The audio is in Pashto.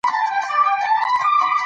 ور کولاو کړه